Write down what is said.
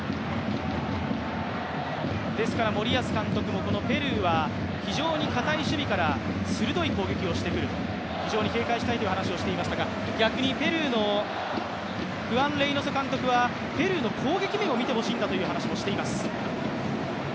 森保監督もペルーは非常にかたい守備から鋭い攻撃をしてくる非常に警戒したいという話をしていましたが逆にペルーのフアン・レイノソ監督はペルーの攻撃も見てほしいんだという話をしています。